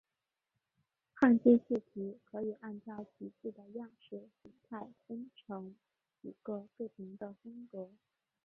汉字字体可以按照其字的样式形态分成几个不同的风格。